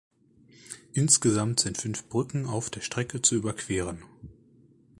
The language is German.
Insgesamt sind fünf Brücken auf der Strecke zu überqueren.